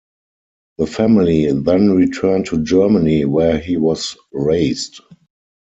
The family then returned to Germany where he was raised.